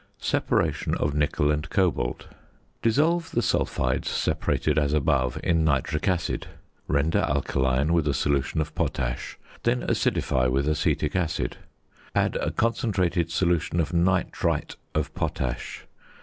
~Separation of Nickel and Cobalt.~ Dissolve the sulphides separated as above in nitric acid; render alkaline with a solution of potash, then acidify with acetic acid; add a concentrated solution of nitrite of potash.